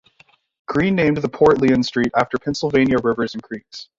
Green named the Port Lyon streets after Pennsylvania rivers and creeks.